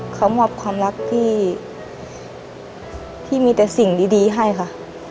เขามอบความรักที่มีแต่สิ่งดีให้ค่ะ